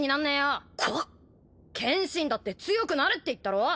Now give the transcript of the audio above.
剣心だって強くなれって言ったろ。